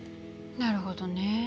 なるほどね。